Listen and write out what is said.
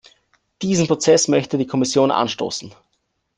Diesen Prozess möchte die Kommission anstoßen.